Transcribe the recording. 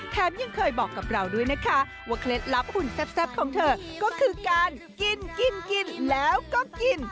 ยังเคยบอกกับเราด้วยนะคะว่าเคล็ดลับหุ่นแซ่บของเธอก็คือการกินกินแล้วก็กิน